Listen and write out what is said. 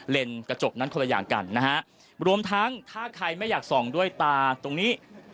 กระจกนั้นคนละอย่างกันนะฮะรวมทั้งถ้าใครไม่อยากส่องด้วยตาตรงนี้